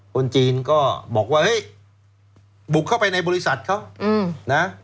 คนจีนก็บอกว่าเฮ้ยบุกเข้าไปในบริษัทเขานะ